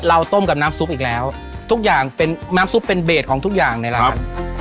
ต้มกับน้ำซุปอีกแล้วทุกอย่างเป็นน้ำซุปเป็นเบสของทุกอย่างนี่แหละครับ